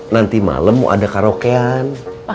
nanti malam mau ada karaokean